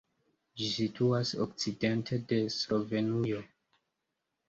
Ĝi situas okcidente de Slovenujo.